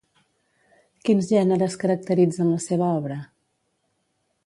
Quins gèneres caracteritzen la seva obra?